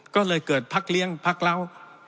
ก็เลยเกิดพักเลี้ยงพักเหล้า